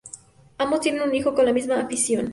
Ambos tienen un hijo con la misma afición.